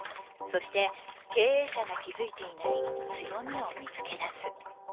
そして、経営者が気付いていない強みを見つけ出す。